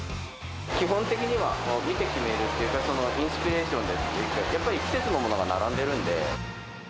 基本的には見て決めるっていうか、インスピレーションで、っていうか、やっぱり季節のものが並んでるんで。